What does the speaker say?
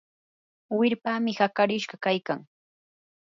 wirpami hakarishqa kaykan.